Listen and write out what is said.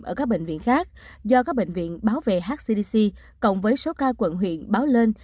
ở các bệnh viện khác do các bệnh viện báo về hcdc cộng với số ca quận huyện báo lên